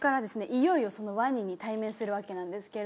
いよいよそのワニに対面するわけなんですけれども。